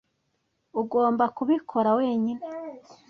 Ugomba kubikora wenyine.